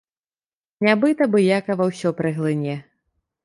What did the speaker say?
Нябыт абыякава ўсё праглыне.